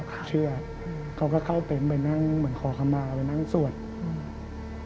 เขาเชื่อเขาก็เข้าเต็นต์ไปนั่งเหมือนขอคำมาไปนั่งสวดอืม